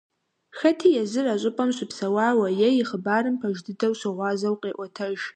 Хэти езыр а щӀыпӀэм щыпсэуауэ е и хъыбарым пэж дыдэу щыгъуазэу къеӀуэтэж.